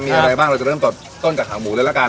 มีอะไรบ้างเราจะเริ่มต้นจากขาหมูเลยละกัน